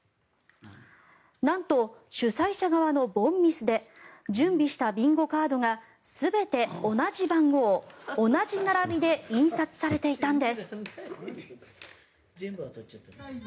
なんと、主催者側の凡ミスで準備したビンゴカードが全て同じ番号、同じ並びで印刷されていたんです。